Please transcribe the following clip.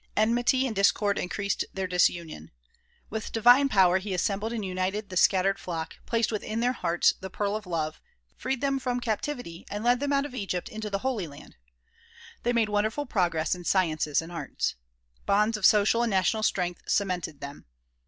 Enmity and discord increased their disunion. With divine power he assembled and united this scattered flock, placed within their hearts the pearl of love, freed them from captivity and led them out of Egypt into the Holy Land. They made wonderful progress in sciences and arts. Bonds of social and national strength cemented them.